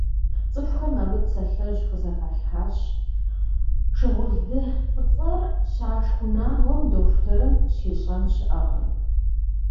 ЦӀыхухэм абы псалъэжь хузэхалъхьащ: «Шыгъулды фӀыцӀэр щашх унагъуэм дохутырым щищӀэн щыӀэкъым».